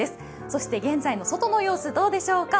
そして現在の外の様子、どうでしょうか。